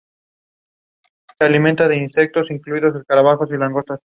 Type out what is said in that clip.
Su matrimonio produjo cinco hijos y una hija.